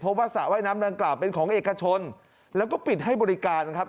เพราะว่าสระว่ายน้ำดังกล่าวเป็นของเอกชนแล้วก็ปิดให้บริการครับ